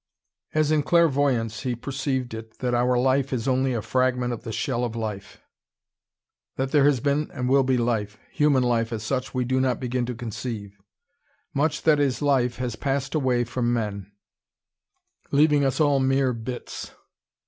As in clairvoyance he perceived it: that our life is only a fragment of the shell of life. That there has been and will be life, human life such as we do not begin to conceive. Much that is life has passed away from men, leaving us all mere bits.